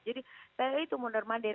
jadi saya itu mundur mandir